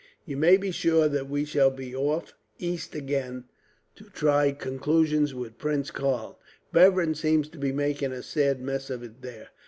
"You may be sure that we shall be off east again, to try conclusions with Prince Karl. Bevern seems to be making a sad mess of it there.